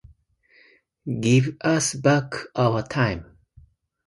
Give us back our time.